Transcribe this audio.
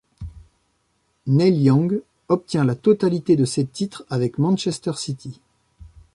Neil Young obtient la totalité de ses titres avec Manchester City.